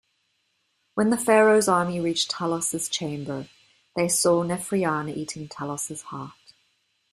When the Pharaoh's army reached Talos' chamber they saw Nefrianna eating Talos' heart.